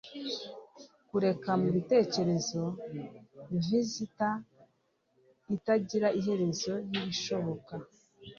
Kureka mubitekerezo vista itagira iherezo yibishoboka